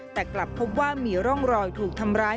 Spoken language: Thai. แต่กลับพบว่ามีร่องรอยถูกทำร้าย